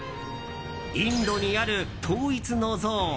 インドにある統一の像。